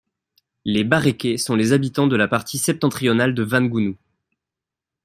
Les Bareke sont les habitants de la partie septentrionale de Vangunu.